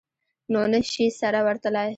نو نه شي سره ورتلای.